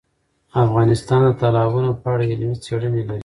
افغانستان د تالابونه په اړه علمي څېړنې لري.